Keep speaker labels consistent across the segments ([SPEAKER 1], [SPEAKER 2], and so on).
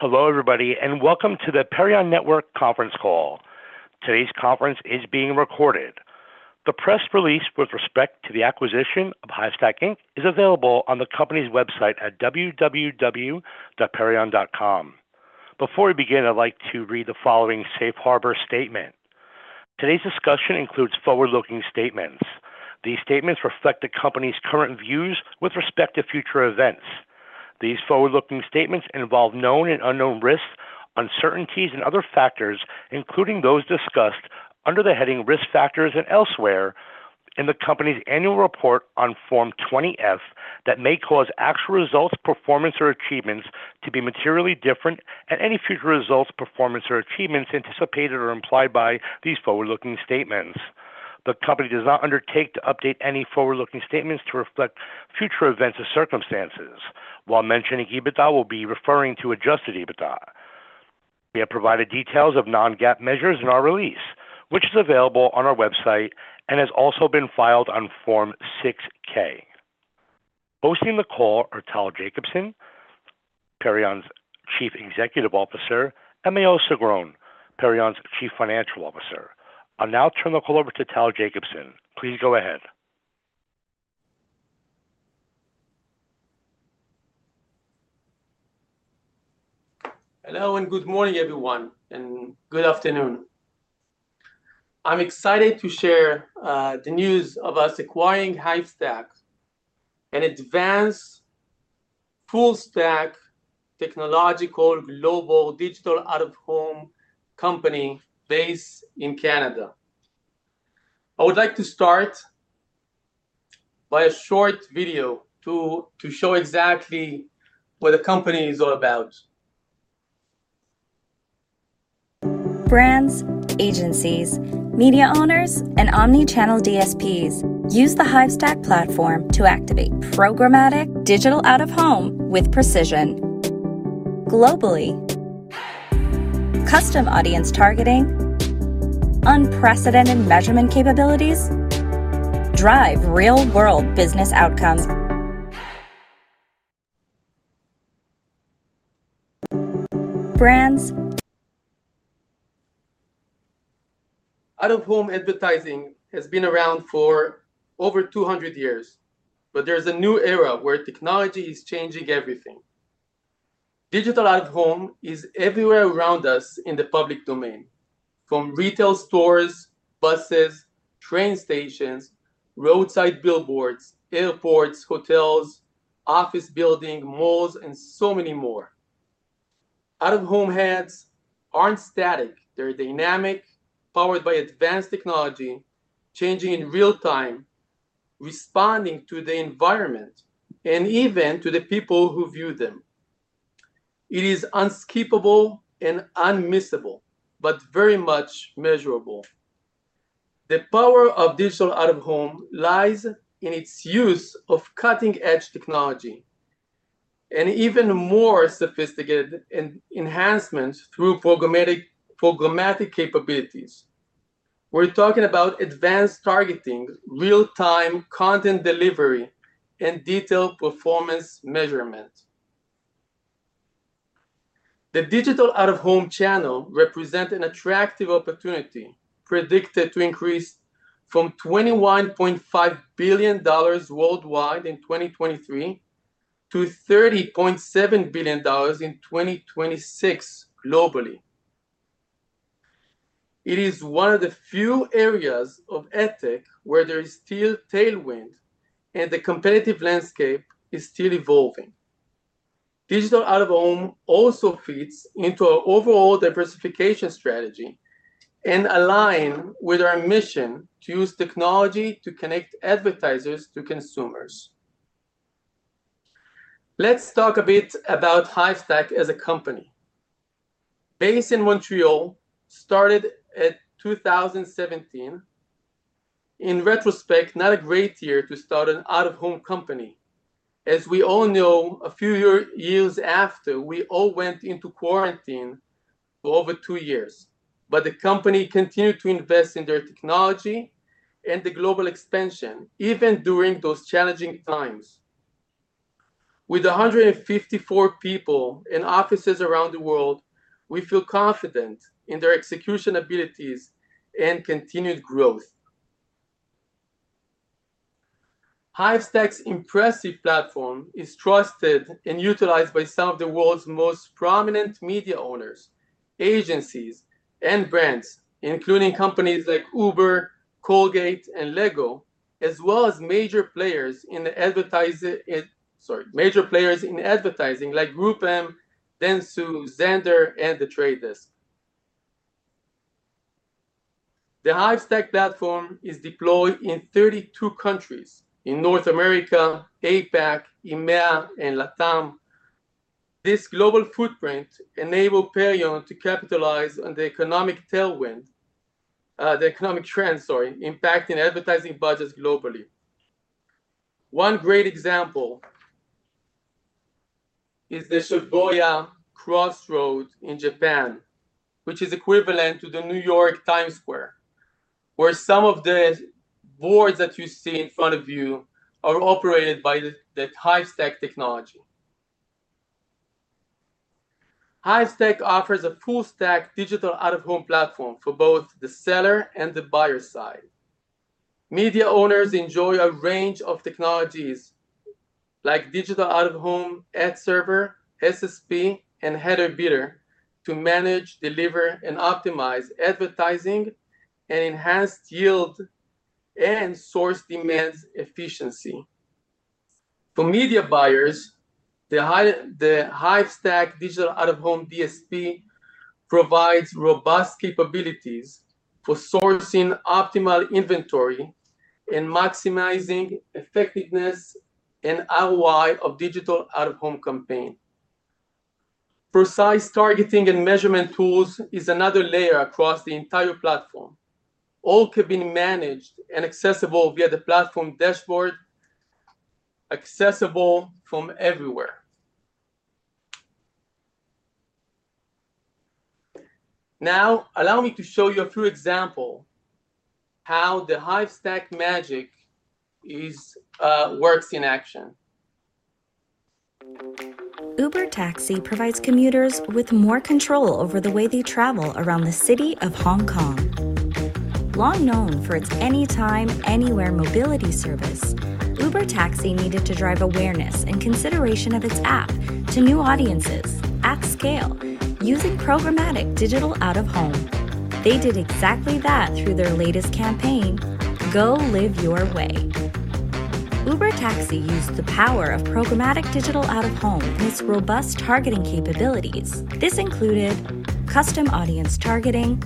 [SPEAKER 1] Hello, everybody, and welcome to the Perion Network conference call. Today's conference is being recorded. The press release with respect to the acquisition of Hivestack Inc. is available on the company's website at www.perion.com. Before we begin, I'd like to read the following safe harbor statement. Today's discussion includes forward-looking statements. These statements reflect the company's current views with respect to future events. These forward-looking statements involve known and unknown risks, uncertainties and other factors, including those discussed under the heading Risk Factors and elsewhere in the company's annual report on Form 20-F, that may cause actual results, performance or achievements to be materially different and any future results, performance, or achievements anticipated or implied by these forward-looking statements. The company does not undertake to update any forward-looking statements to reflect future events or circumstances. While mentioning EBITDA, we'll be referring to adjusted EBITDA. We have provided details of non-GAAP measures in our release, which is available on our website and has also been filed on Form 6-K. Hosting the call are Tal Jacobson, Perion's Chief Executive Officer, and Maoz Sigron, Perion's Chief Financial Officer. I'll now turn the call over to Tal Jacobson. Please go ahead.
[SPEAKER 2] Hello, and good morning, everyone, and good afternoon. I'm excited to share the news of us acquiring Hivestack, an advanced full-stack technological, global, digital-out-of-home company based in Canada. I would like to start by a short video to show exactly what the company is all about.
[SPEAKER 3] Brands, agencies, media owners, and omni-channel DSPs use the Hivestack platform to activate programmatic digital out-of-home with precision. Globally, custom audience targeting, unprecedented measurement capabilities drive real-world business outcomes. Brands-
[SPEAKER 2] Out-of-home advertising has been around for over 200 years, but there's a new era where technology is changing everything. Digital out-of-home is everywhere around us in the public domain, from retail stores, buses, train stations, roadside billboards, airports, hotels, office building, malls, and so many more. Out-of-home ads aren't static. They're dynamic, powered by advanced technology, changing in real time, responding to the environment and even to the people who view them. It is unskippable and unmissable, but very much measurable. The power of digital out-of-home lies in its use of cutting-edge technology and even more sophisticated enhancements through programmatic capabilities. We're talking about advanced targeting, real-time content delivery, and detailed performance measurement. The digital out-of-home channel represent an attractive opportunity, predicted to increase from $21.5 billion worldwide in 2023 to $30.7 billion in 2026 globally. It is one of the few areas of adtech where there is still tailwind and the competitive landscape is still evolving. Digital out-of-home also fits into our overall diversification strategy and align with our mission to use technology to connect advertisers to consumers. Let's talk a bit about Hivestack as a company. Based in Montreal, started at 2017. In retrospect, not a great year to start an out-of-home company. As we all know, a few years after, we all went into quarantine for over two years. But the company continued to invest in their technology and the global expansion, even during those challenging times. With 154 people in offices around the world, we feel confident in their execution abilities and continued growth. Hivestack's impressive platform is trusted and utilized by some of the world's most prominent media owners, agencies, and brands, including companies like Uber, Colgate, and LEGO, as well as major players in advertising like GroupM, Dentsu, Xandr, and The Trade Desk. The Hivestack platform is deployed in 32 countries, in North America, APAC, EMEA, and LATAM. This global footprint enables Perion to capitalize on the economic trends impacting advertising budgets globally. One great example is the Shibuya Crossing in Japan, which is equivalent to the Times Square in New York, where some of the boards that you see in front of you are operated by the Hivestack technology. Hivestack offers a full-stack digital out-of-home platform for both the seller and the buyer side. Media owners enjoy a range of technologies like digital out-of-home ad server, SSP, and header bidder to manage, deliver, and optimize advertising and enhanced yield and source demand efficiency. For media buyers, the Hivestack digital out-of-home DSP provides robust capabilities for sourcing optimal inventory and maximizing effectiveness and ROI of digital out-of-home campaign. Precise targeting and measurement tools is another layer across the entire platform, all can be managed and accessible via the platform dashboard, accessible from everywhere. Now, allow me to show you a few example how the Hivestack magic is, works in action.
[SPEAKER 3] Uber Taxi provides commuters with more control over the way they travel around the city of Hong Kong. Long known for its anytime, anywhere mobility service, Uber Taxi needed to drive awareness and consideration of its app to new audiences at scale using programmatic digital out-of-home. They did exactly that through their latest campaign, "Go Live Your Way." Uber Taxi used the power of programmatic digital out-of-home and its robust targeting capabilities. This included custom audience targeting,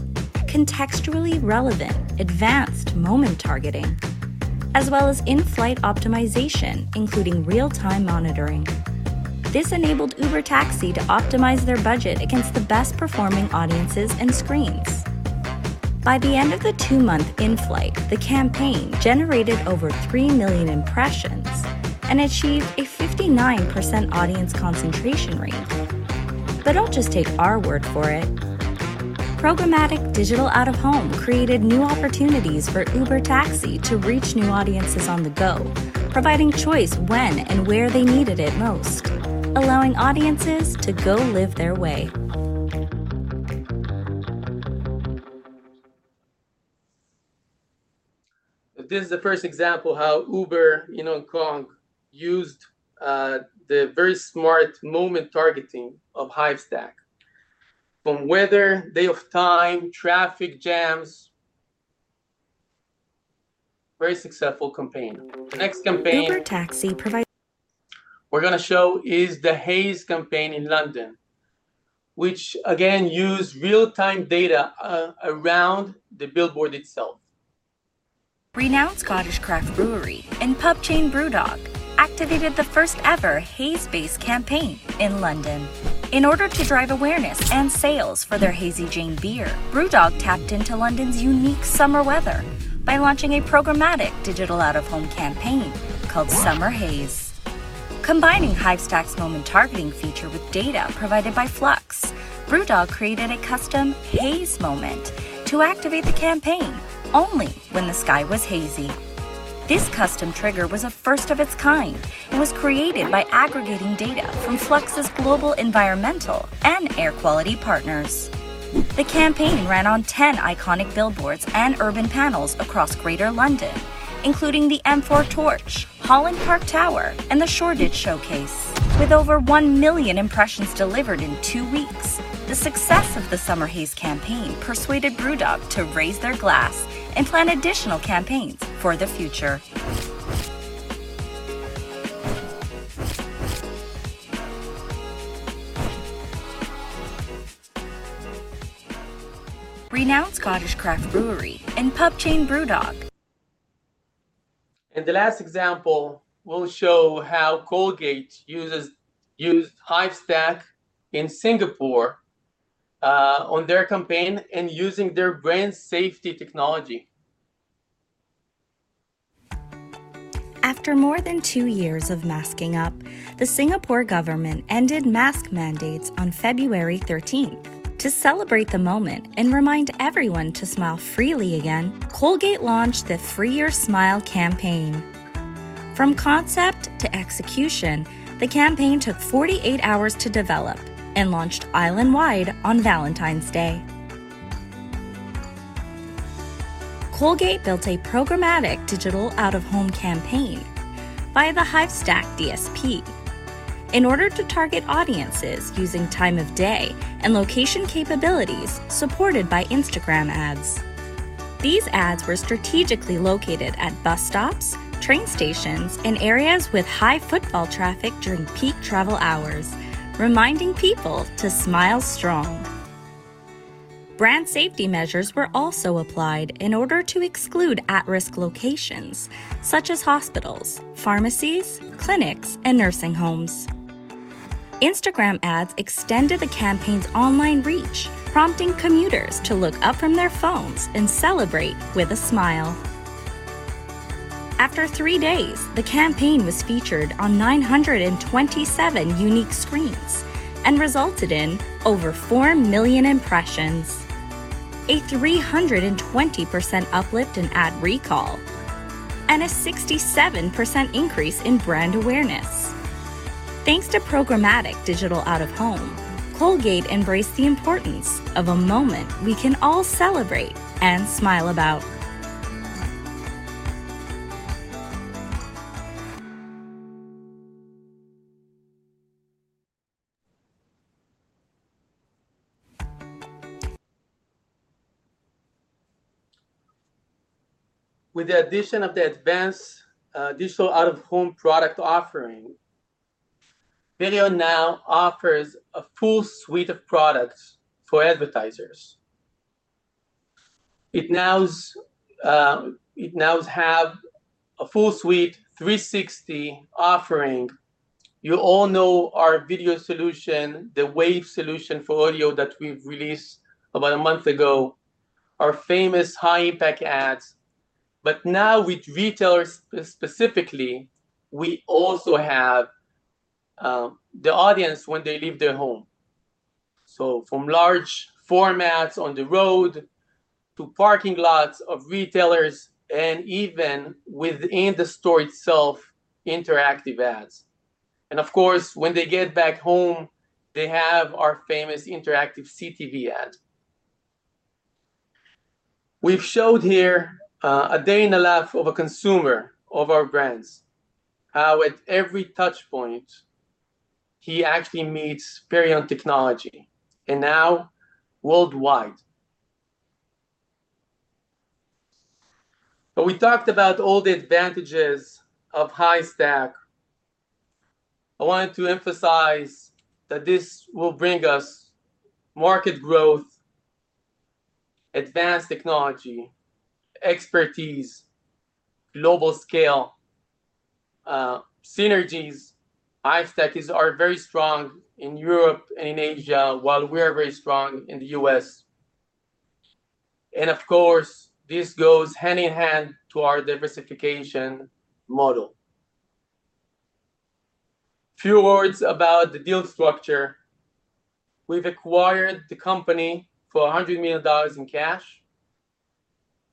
[SPEAKER 3] contextually relevant advanced moment targeting, as well as in-flight optimization, including real-time monitoring. This enabled Uber Taxi to optimize their budget against the best-performing audiences and screens. By the end of the two-month in-flight, the campaign generated over 3 million impressions and achieved a 59% audience concentration rate. But don't just take our word for it. Programmatic digital out-of-home created new opportunities for Uber Taxi to reach new audiences on the go, providing choice when and where they needed it most, allowing audiences to go live their way.
[SPEAKER 2] This is the first example how Uber in Hong Kong used the very smart moment targeting of Hivestack. From weather, time of day, traffic jams... Very successful campaign. The next campaign-
[SPEAKER 3] Uber Taxi provides-
[SPEAKER 2] We're gonna show is the Haze campaign in London, which again, used real-time data around the billboard itself.
[SPEAKER 3] Renowned Scottish craft brewery and pub chain BrewDog activated the first-ever haze-based campaign in London. In order to drive awareness and sales for their Hazy Jane beer, BrewDog tapped into London's unique summer weather by launching a programmatic digital out-of-home campaign called Summer Haze. Combining Hivestack's moment targeting feature with data provided by Flux, BrewDog created a custom haze moment to activate the campaign only when the sky was hazy. This custom trigger was a first of its kind and was created by aggregating data from Flux's global environmental and air quality partners. The campaign ran on 10 iconic billboards and urban panels across Greater London, including the M4 Torch, Holland Park Tower, and the Shoreditch Showcase. With over 1 million impressions delivered in two weeks, the success of the Summer Haze campaign persuaded BrewDog to raise their glass and plan additional campaigns for the future. Renowned Scottish craft brewery and pub chain BrewDog.
[SPEAKER 2] The last example will show how Colgate used Hivestack in Singapore on their campaign and using their brand safety technology.
[SPEAKER 3] After more than two years of masking up, the Singapore government ended mask mandates on February 13th. To celebrate the moment and remind everyone to smile freely again, Colgate launched the Free Your Smile campaign. From concept to execution, the campaign took 48 hours to develop and launched island-wide on Valentine's Day. Colgate built a programmatic digital out-of-home campaign via the Hivestack DSP in order to target audiences using time of day and location capabilities supported by Instagram ads. These ads were strategically located at bus stops, train stations, and areas with high footfall traffic during peak travel hours, reminding people to smile strong. Brand safety measures were also applied in order to exclude at-risk locations such as hospitals, pharmacies, clinics, and nursing homes. Instagram ads extended the campaign's online reach, prompting commuters to look up from their phones and celebrate with a smile. After three days, the campaign was featured on 927 unique screens, and resulted in over 4 million impressions, a 320% uplift in ad recall, and a 67% increase in brand awareness. Thanks to programmatic digital out-of-home, Colgate embraced the importance of a moment we can all celebrate and smile about.
[SPEAKER 2] With the addition of the advanced digital out-of-home product offering, Perion now offers a full suite of products for advertisers. It now has a full suite 360 offering. You all know our video solution, the Wave solution for audio that we've released about a month ago, our famous High-Impact Ads. But now, with retailers specifically, we also have the audience when they leave their home. So from large formats on the road to parking lots of retailers, and even within the store itself, interactive ads. And of course, when they get back home, they have our famous interactive CTV ad. We've shown here a day in the life of a consumer of our brands, how at every touch point, he actually meets Perion technology, and now worldwide. But we talked about all the advantages of Hivestack. I wanted to emphasize that this will bring us market growth, advanced technology, expertise, global scale, synergies. Hivestack is are very strong in Europe and in Asia, while we are very strong in the U.S. And of course, this goes hand-in-hand to our diversification model. Few words about the deal structure. We've acquired the company for $100 million in cash,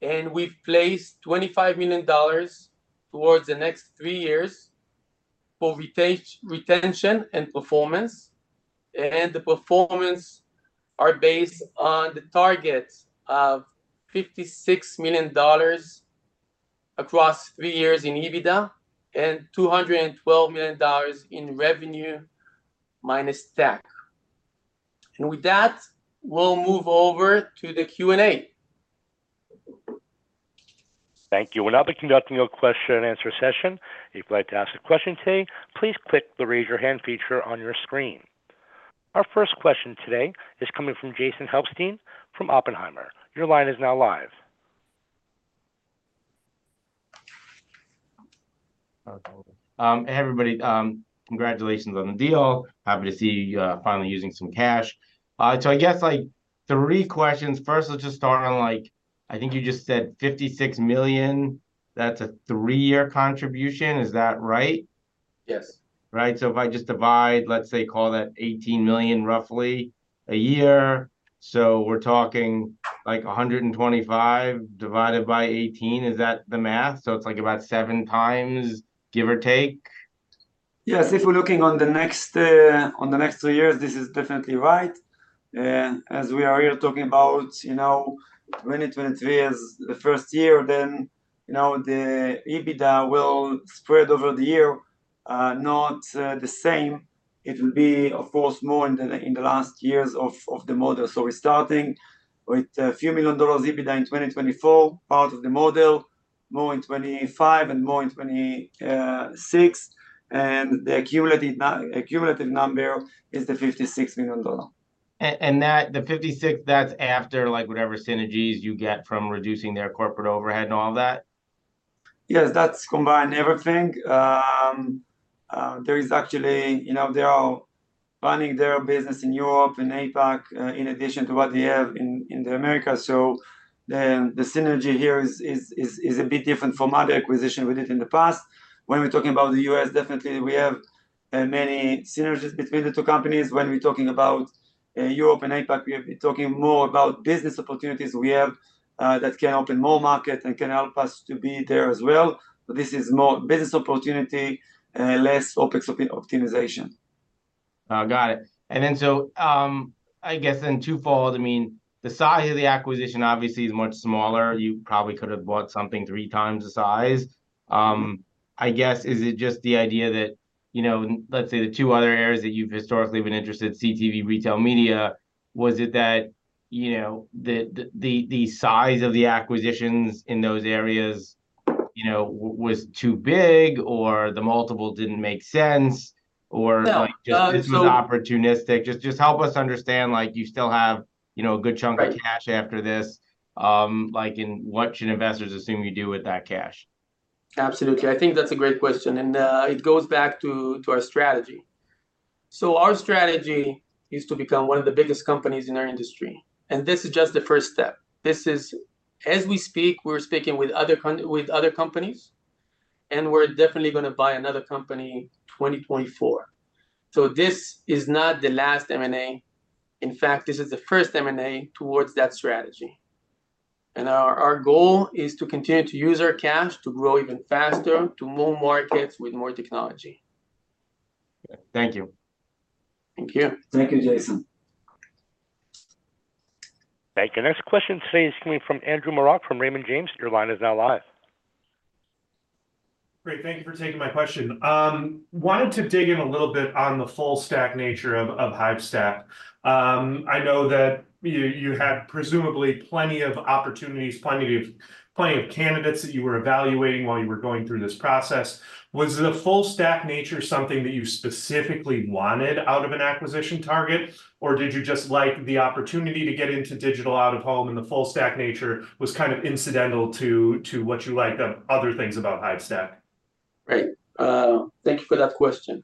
[SPEAKER 2] and we've placed $25 million towards the next three years for retention and performance. And the performance are based on the targets of $56 million across three years in EBITDA, and $212 million in revenue, minus tax. And with that, we'll move over to the Q&A.
[SPEAKER 1] Thank you. We'll now be conducting a question-and answer-session. If you'd like to ask a question today, please click the Raise Your Hand feature on your screen. Our first question today is coming from Jason Helfstein from Oppenheimer. Your line is now live.
[SPEAKER 4] Hey, everybody. Congratulations on the deal. Happy to see you, finally using some cash. So I guess, like, three questions. First, let's just start on, like, I think you just said $56 million, that's a three-year contribution. Is that right?
[SPEAKER 2] Yes.
[SPEAKER 4] Right. So if I just divide, let's say, call that $18 million roughly a year, so we're talking like $125 million divided by $18 million. Is that the math? So it's like about 7x, give or take?
[SPEAKER 2] Yes. If we're looking on the next, on the next two years, this is definitely right. As we are here talking about, you know, 2023 as the first year, then, you know, the EBITDA will spread over the year, not the same. It will be, of course, more in the, in the last years of, of the model. So we're starting with a few million dollars EBITDA in 2024, part of the model, more in 2025 and more in 2026. And the accumulative number is the $56 million.
[SPEAKER 4] That, the $56 million, that's after, like, whatever synergies you get from reducing their corporate overhead and all that?
[SPEAKER 2] Yes, that's combined everything. There is actually... You know, they are running their business in Europe and APAC, in addition to what they have in, in the Americas. So then, the synergy here is a bit different from other acquisition we did in the past. When we're talking about the U.S., definitely, we have many synergies between the two companies. When we're talking about Europe and APAC, we have been talking more about business opportunities we have that can open more markets and can help us to be there as well. This is more business opportunity and less OpEx optimization.
[SPEAKER 4] Got it. And then, so, I guess in twofold, I mean, the size of the acquisition obviously is much smaller. You probably could have bought something 3x the size. I guess, is it just the idea that, you know, let's say the two other areas that you've historically been interested, CTV, retail media, was it that, you know, the size of the acquisitions in those areas, you know, was too big, or the multiple didn't make sense? Or-
[SPEAKER 2] No,
[SPEAKER 4] Like, just it was opportunistic. Just, just help us understand, like, you still have, you know, a good chunk-
[SPEAKER 2] Right...
[SPEAKER 4] of cash after this. Like, and what should investors assume you do with that cash?
[SPEAKER 2] Absolutely. I think that's a great question, and it goes back to our strategy. So our strategy is to become one of the biggest companies in our industry, and this is just the first step. This is, as we speak, we're speaking with other companies, and we're definitely gonna buy another company in 2024. So this is not the last M&A; in fact, this is the first M&A towards that strategy. And our goal is to continue to use our cash to grow even faster, to more markets with more technology.
[SPEAKER 4] Thank you.
[SPEAKER 2] Thank you.
[SPEAKER 5] Thank you, Jason.
[SPEAKER 1] Thank you. Next question today is coming from Andrew Marok from Raymond James. Your line is now live.
[SPEAKER 6] Great, thank you for taking my question. Wanted to dig in a little bit on the full stack nature of Hivestack. I know that you had presumably plenty of opportunities, plenty of candidates that you were evaluating while you were going through this process. Was the full stack nature something that you specifically wanted out of an acquisition target? Or did you just like the opportunity to get into digital out-of-home, and the full stack nature was kind of incidental to what you liked of other things about Hivestack?
[SPEAKER 2] Right. Thank you for that question.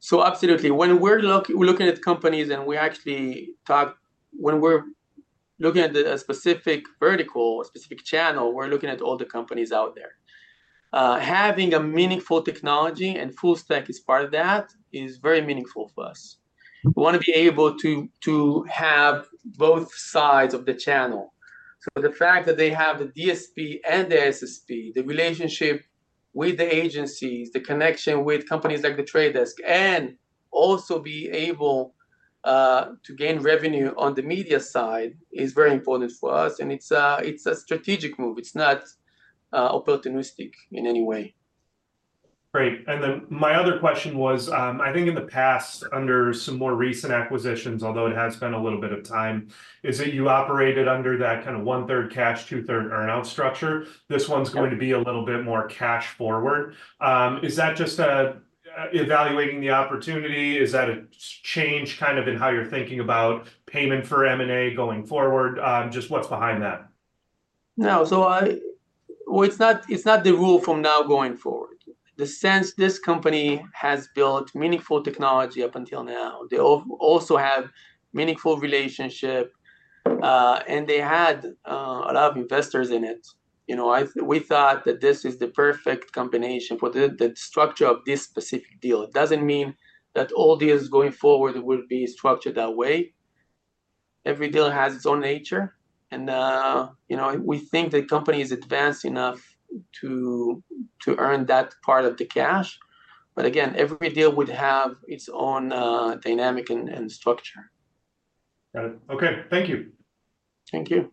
[SPEAKER 2] So absolutely, when we're looking at companies and we actually talk when we're looking at a specific vertical or a specific channel, we're looking at all the companies out there. Having a meaningful technology, and full stack is part of that, is very meaningful for us. We want to be able to have both sides of the channel. So the fact that they have the DSP and the SSP, the relationship with the agencies, the connection with companies like The Trade Desk, and also be able to gain revenue on the media side is very important for us, and it's a strategic move. It's not opportunistic in any way.
[SPEAKER 6] Great. And then my other question was, I think in the past, under some more recent acquisitions, although it has been a little bit of time, is that you operated under that kind of 1/3 cash, 2/3 earn-out structure?
[SPEAKER 2] Yep.
[SPEAKER 6] This one's going to be a little bit more cash forward. Is that just evaluating the opportunity? Is that a change kind of in how you're thinking about payment for M&A going forward? Just what's behind that?
[SPEAKER 2] No. Well, it's not, it's not the rule from now going forward. The sense this company has built meaningful technology up until now, they also have meaningful relationship, and they had a lot of investors in it. You know, I, we thought that this is the perfect combination for the, the structure of this specific deal. It doesn't mean that all deals going forward will be structured that way. Every deal has its own nature, and, you know, we think the company is advanced enough to, to earn that part of the cash, but again, every deal would have its own, dynamic and, and structure.
[SPEAKER 6] Got it. Okay. Thank you.
[SPEAKER 2] Thank you.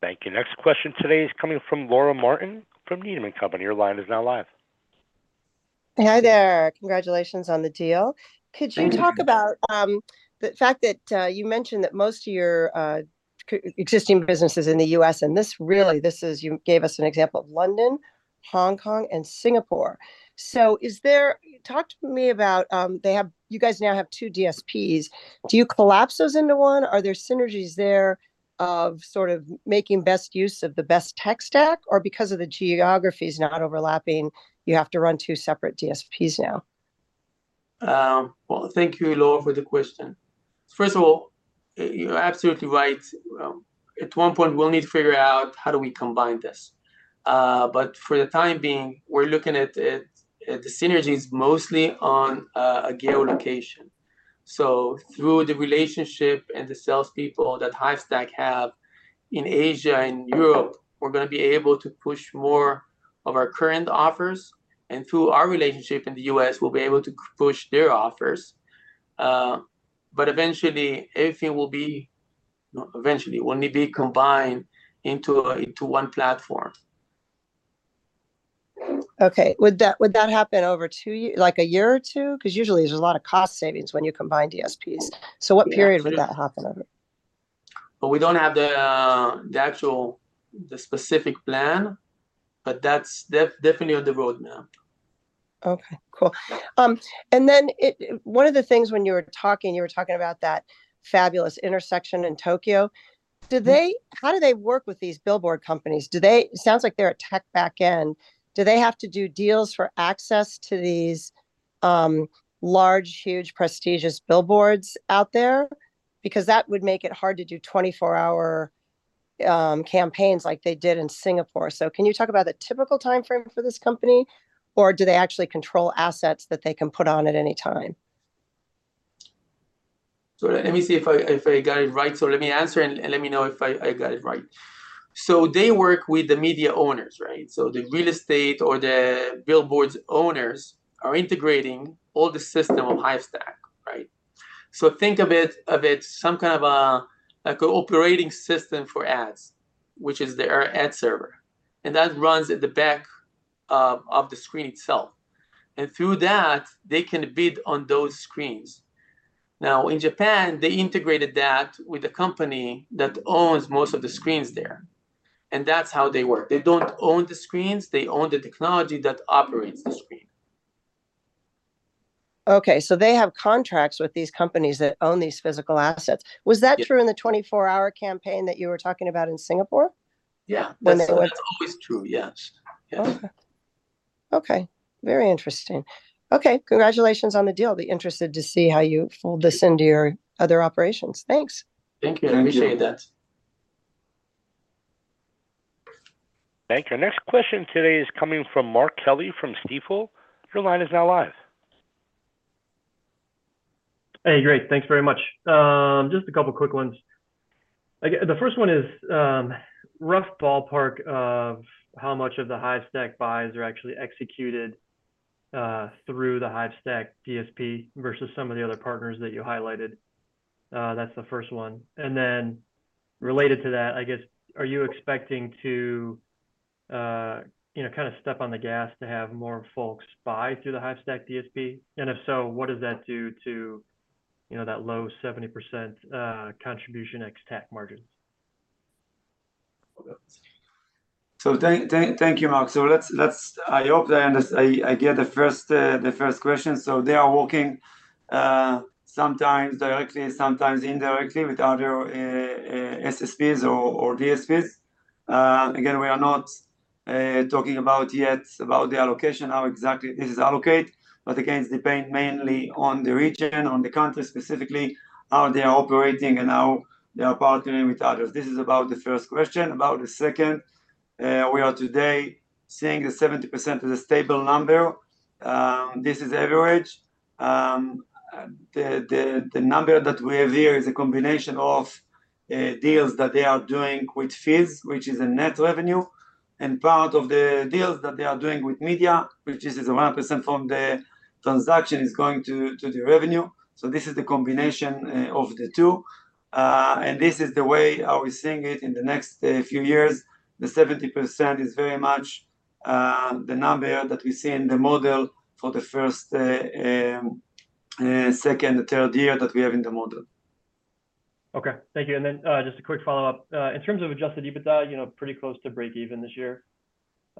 [SPEAKER 1] Thank you. Next question today is coming from Laura Martin from Needham and Company. Your line is now live.
[SPEAKER 7] Hi there. Congratulations on the deal.
[SPEAKER 2] Thank you.
[SPEAKER 7] Could you talk about the fact that you mentioned that most of your existing business is in the U.S., and this really, this is, you gave us an example of London, Hong Kong, and Singapore. So is there—talk to me about. You guys now have two DSPs. Do you collapse those into one? Are there synergies there of sort of making best use of the best tech stack, or because of the geographies not overlapping, you have to run two separate DSPs now?
[SPEAKER 2] Well, thank you, Laura, for the question. First of all, you're absolutely right. At one point, we'll need to figure out how do we combine this. But for the time being, we're looking at the synergies mostly on a geo location. So through the relationship and the salespeople that Hivestack have in Asia and Europe, we're gonna be able to push more of our current offers, and through our relationship in the U.S., we'll be able to push their offers. But eventually, everything will need to be combined into one platform.
[SPEAKER 7] Okay. Would that, would that happen over two years, like a year or two? 'Cause usually there's a lot of cost savings when you combine DSPs.
[SPEAKER 2] Yeah.
[SPEAKER 7] What period would that happen over?
[SPEAKER 2] Well, we don't have the actual, the specific plan, but that's definitely on the roadmap.
[SPEAKER 7] Okay, cool. One of the things when you were talking, you were talking about that fabulous intersection in Tokyo.
[SPEAKER 2] Mm-hmm.
[SPEAKER 7] How do they work with these billboard companies? Sounds like they're a tech backend. Do they have to do deals for access to these large, huge, prestigious billboards out there? Because that would make it hard to do 24-hour campaigns like they did in Singapore. So can you talk about the typical timeframe for this company, or do they actually control assets that they can put on at any time?
[SPEAKER 2] So let me see if I, if I got it right. So let me answer and, and let me know if I, I got it right. So they work with the media owners, right? So the real estate or the billboard's owners are integrating all the system of Hivestack, right? So think of it, of it some kind of a, like an operating system for ads, which is their ad server, and that runs at the back, of the screen itself. And through that, they can bid on those screens. Now, in Japan, they integrated that with a company that owns most of the screens there, and that's how they work. They don't own the screens; they own the technology that operates the screen.
[SPEAKER 7] Okay, so they have contracts with these companies that own these physical assets.
[SPEAKER 2] Yep.
[SPEAKER 7] Was that true in the 24-hour campaign that you were talking about in Singapore?
[SPEAKER 2] Yeah, that's, that's always true. Yes. Yeah.
[SPEAKER 7] Okay. Okay, very interesting. Okay, congratulations on the deal. Be interested to see how you fold this into your other operations. Thanks.
[SPEAKER 2] Thank you. I appreciate that.
[SPEAKER 1] Thank you. Our next question today is coming from Mark Kelley from Stifel. Your line is now live.
[SPEAKER 8] Hey, great. Thanks very much. Just a couple quick ones. The first one is, rough ballpark of how much of the Hivestack buys are actually executed through the Hivestack DSP versus some of the other partners that you highlighted? That's the first one. And then related to that, I guess, are you expecting to, you know, kinda step on the gas to have more folks buy through the Hivestack DSP? And if so, what does that do to, you know, that low 70% contribution ex-TAC margin?
[SPEAKER 5] Thank you, Mark. So let's—I hope I get the first question. So they are working sometimes directly and sometimes indirectly with other SSPs or DSPs. Again, we are not talking about yet about the allocation, how exactly this is allocate, but again, it depends mainly on the region, on the country specifically, how they are operating, and how they are partnering with others. This is about the first question. About the second, we are today seeing the 70% is a stable number. This is average. The number that we have here is a combination of deals that they are doing with fees, which is a net revenue, and part of the deals that they are doing with media, which is 100% from the transaction going to the revenue. So this is the combination of the two. And this is the way how we're seeing it in the next few years. The 70% is very much the number that we see in the model for the first, second and third year that we have in the model.
[SPEAKER 8] Okay. Thank you. And then, just a quick follow-up. In terms of adjusted EBITDA, you know, pretty close to breakeven this year,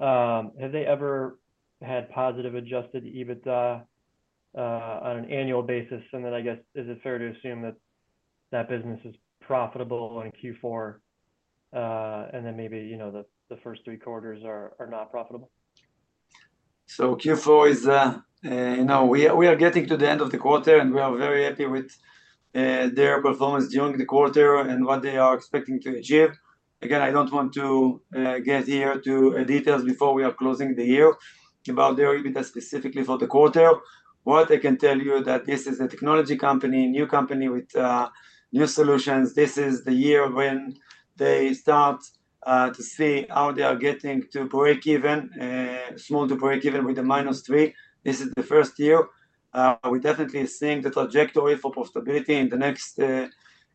[SPEAKER 8] have they ever had positive adjusted EBITDA on an annual basis? And then, I guess, is it fair to assume that that business is profitable in Q4, and then maybe, you know, the first three quarters are not profitable?
[SPEAKER 5] So Q4 is. You know, we are getting to the end of the quarter, and we are very happy with their performance during the quarter and what they are expecting to achieve. Again, I don't want to get here to details before we are closing the year about their EBITDA specifically for the quarter. What I can tell you that this is a technology company, new company with new solutions. This is the year when they start to see how they are getting to breakeven, small to breakeven with a -3. This is the first year. We're definitely seeing the trajectory for profitability in the next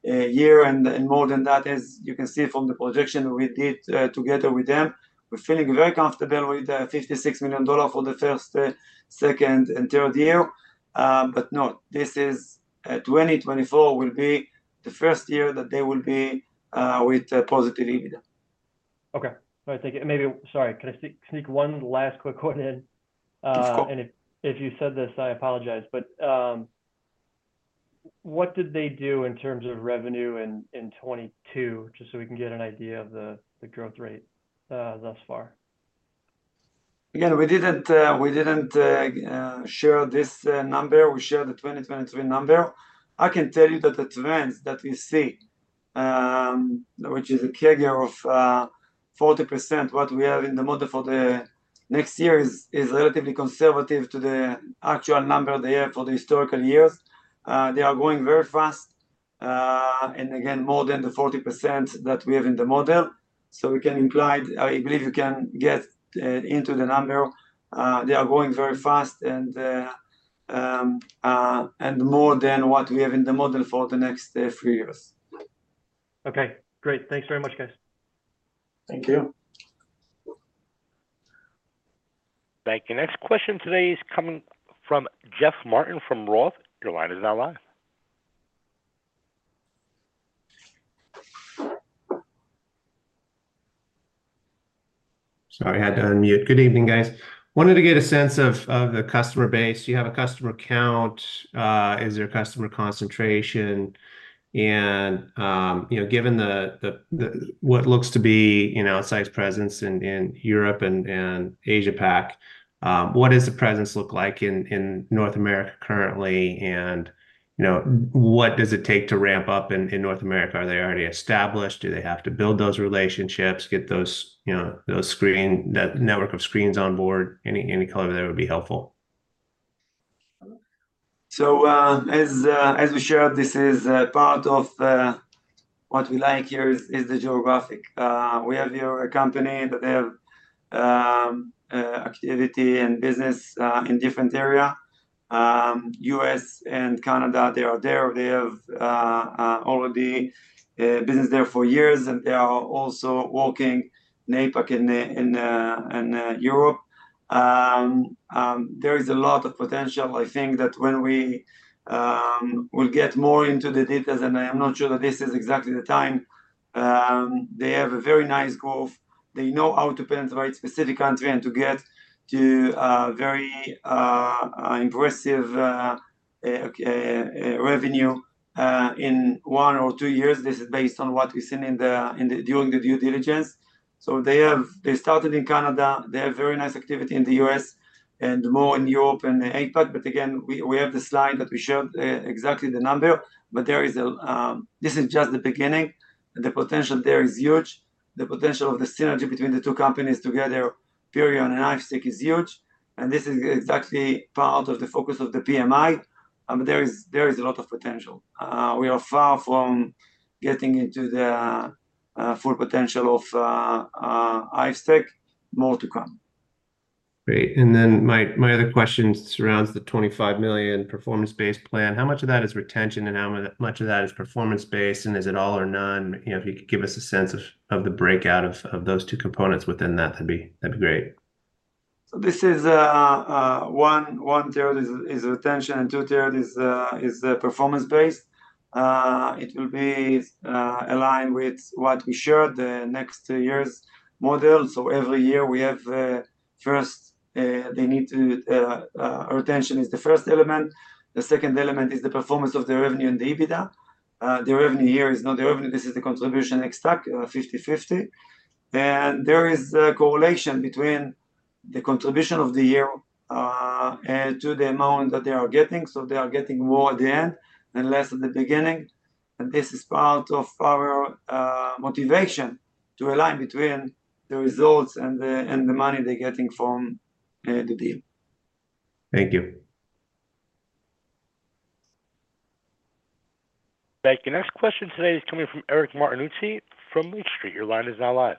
[SPEAKER 5] year and more than that, as you can see from the projection we did together with them. We're feeling very comfortable with the $56 million for the first, second, and third year. But no, this is 2024 will be the first year that they will be with a positive EBITDA.
[SPEAKER 8] Okay. All right, thank you. Maybe... Sorry, can I sneak, sneak one last quick one in?
[SPEAKER 5] Yes, go.
[SPEAKER 8] And if, if you said this, I apologize, but what did they do in terms of revenue in 2022? Just so we can get an idea of the growth rate thus far.
[SPEAKER 5] Again, we didn't, we didn't, share this number. We shared the 2023 number. I can tell you that the trends that we see, which is a CAGR of, 40%, what we have in the model for the next year is, is relatively conservative to the actual number they have for the historical years. They are growing very fast, and again, more than the 40% that we have in the model. So we can imply. I believe you can get, into the number. They are growing very fast and, and more than what we have in the model for the next, few years.
[SPEAKER 8] Okay, great. Thanks very much, guys.
[SPEAKER 5] Thank you.
[SPEAKER 1] Thank you. Next question today is coming from Jeff Martin, from Roth. Your line is now live.
[SPEAKER 9] Sorry, I had to unmute. Good evening, guys. Wanted to get a sense of the customer base. Do you have a customer count? Is there a customer concentration? You know, given the sizable presence in Europe and Asia-Pac, what does the presence look like in North America currently? You know, what does it take to ramp up in North America? Are they already established? Do they have to build those relationships, get those, you know, those screens—that network of screens on board? Any color there would be helpful.
[SPEAKER 2] So, as we shared, this is part of what we like here is the geographic. We have here a company that they have activity and business in different area. U.S. and Canada, they are there. They have already business there for years, and they are also working APAC and Europe. There is a lot of potential. I think that when we will get more into the details, and I am not sure that this is exactly the time, they have a very nice growth. They know how to penetrate specific country and to get to very impressive revenue in one or two years. This is based on what we've seen during the due diligence. So they started in Canada. They have very nice activity in the U.S. and more in Europe and APAC, but again, we, we have the slide that we showed exactly the number, but there is this is just the beginning, the potential there is huge. The potential of the synergy between the two companies together, Perion and Hivestack, is huge, and this is exactly part of the focus of the PMI. There is, there is a lot of potential. We are far from getting into the full potential of Hivestack. More to come.
[SPEAKER 9] Great. And then my other question surrounds the $25 million performance-based plan. How much of that is retention, and how much of that is performance-based, and is it all or none? You know, if you could give us a sense of the breakout of those two components within that, that'd be great.
[SPEAKER 5] So this is 1/3 is retention, and 2/3 is performance-based. It will be aligned with what we shared the next two years model. So every year we have, first, they need to retention is the first element. The second element is the performance of the revenue and the EBITDA. The revenue here is not the revenue, this is the contribution ex-TAC, 50/50. And there is a correlation between the contribution of the year to the amount that they are getting, so they are getting more at the end and less at the beginning. And this is part of our motivation to align between the results and the money they're getting from the deal.
[SPEAKER 9] Thank you.
[SPEAKER 1] Thank you. Next question today is coming from Eric Martinuzzi from Lake Street. Your line is now live.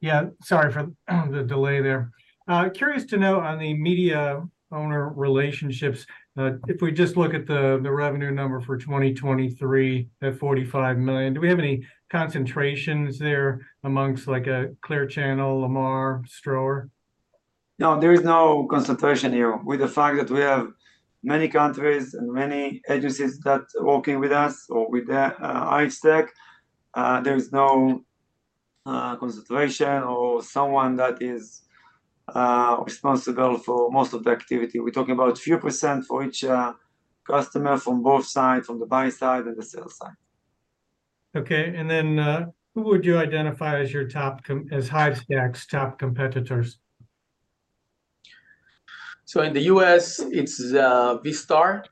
[SPEAKER 10] Yeah, sorry for the delay there. Curious to know on the media owner relationships, if we just look at the revenue number for 2023 at $45 million, do we have any concentrations there amongst like Clear Channel, Lamar, Ströer?
[SPEAKER 5] No, there is no concentration here. With the fact that we have many countries and many agencies that are working with us or with the Hivestack, there is no concentration or someone that is responsible for most of the activity. We're talking about a few percent for each customer from both sides, from the buy side and the sell side.
[SPEAKER 10] Okay. Who would you identify as Hivestack's top competitors?
[SPEAKER 2] So in the U.S., it's Vistar,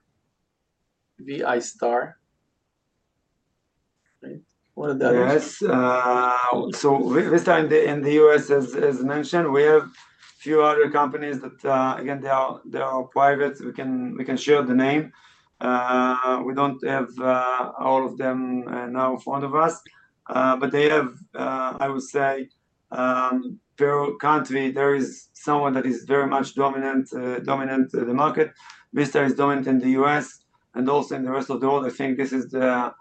[SPEAKER 2] V-I-S-T-A-R. Right?
[SPEAKER 5] One of the— Yes, so Vistar in the U.S., as mentioned, we have a few other companies that, again, they are private, we can share the name. We don't have all of them now in front of us, but they have, I would say, per country, there is someone that is very much dominant in the market. Vistar is dominant in the U.S. and also in the rest of the world. I think this is the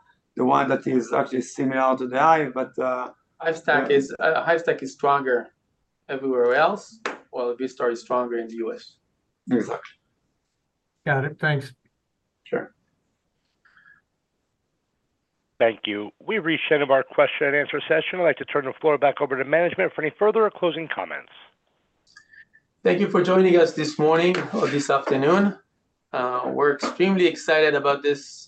[SPEAKER 5] one that is actually similar to the Hive, but...
[SPEAKER 2] Hivestack is stronger everywhere else, while Vistar is stronger in the U.S. Mm-hmm.
[SPEAKER 10] Got it. Thanks.
[SPEAKER 5] Sure.
[SPEAKER 1] Thank you. We've reached the end of our question-and-answer session. I'd like to turn the floor back over to management for any further or closing comments.
[SPEAKER 2] Thank you for joining us this morning or this afternoon. We're extremely excited about this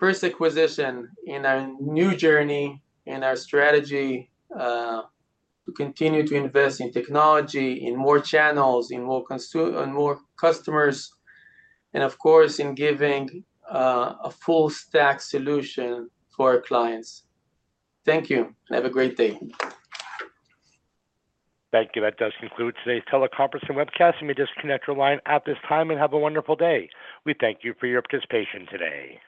[SPEAKER 2] first acquisition in our new journey and our strategy to continue to invest in technology, in more channels, on more customers, and of course, in giving a full stack solution to our clients. Thank you, and have a great day.
[SPEAKER 1] Thank you. That does conclude today's teleconference and webcast. You may disconnect your line at this time, and have a wonderful day. We thank you for your participation today.